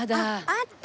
あった！